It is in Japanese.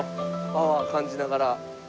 パワーを感じながら。